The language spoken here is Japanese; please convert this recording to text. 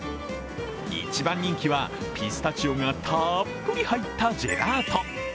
一番人気はピスタチオがたっぷり入ったジェラート。